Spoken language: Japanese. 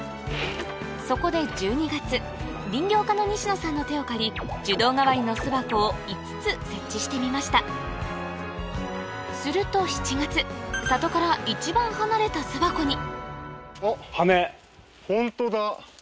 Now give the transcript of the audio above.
そこで１２月林業家の西野さんの手を借り樹洞代わりの巣箱を５つ設置してみましたすると７月里から一番離れた巣箱にあれは。